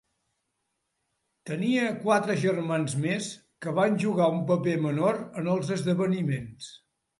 Tenia quatre germans més que van jugar un paper menor en els esdeveniments.